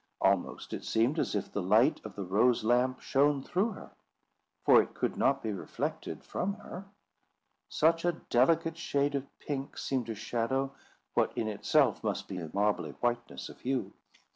Almost it seemed as if the light of the rose lamp shone through her (for it could not be reflected from her); such a delicate shade of pink seemed to shadow what in itself must be a marbly whiteness of hue.